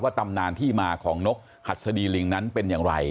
ตำนานที่มาของนกหัดสดีลิงนั้นเป็นอย่างไร